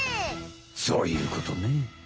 そういうことね。